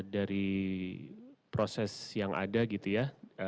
dari proses yang ada gitu ya